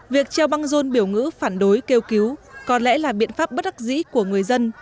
việc treo băng rôn biểu ngữ phản đối kêu cứu có lẽ là biện pháp bất đắc dĩ của người dân